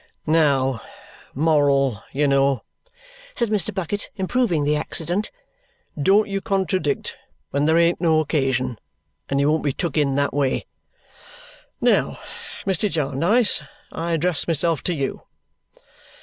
"Now, moral, you know!" said Mr. Bucket, improving the accident. "Don't you contradict when there ain't no occasion, and you won't be took in that way. Now, Mr. Jarndyce, I address myself to you.